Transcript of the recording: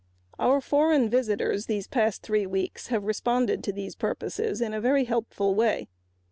Our foreign visitors these past three weeks have responded to these purposes in a very helpful way.